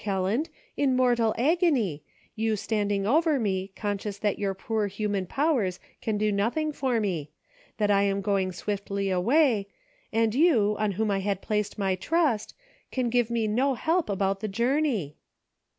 Kelland, in mortal agony, you standing over me conscious that your poor human powers can do nothing for me ; that I am going swiftly away, and you, on whom I had placed my trust, can give me no help about the journey."